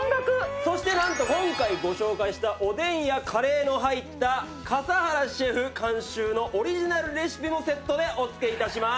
そしてなんと今回ご紹介したおでんやカレーの入った笠原シェフ監修のオリジナルレシピもセットでお付け致しまーす。